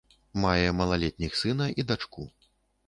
Мае малалетніх сына і дачку.